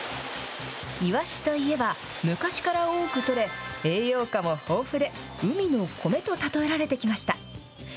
いわしといえば、昔から多く取れ、栄養価も豊富で、海の米と例えられてきました。